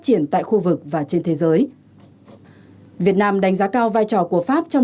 triển tại khu vực và trên thế giới việt nam đánh giá cao vai trò của pháp trong